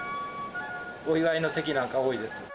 お祝いの席なんか多いです。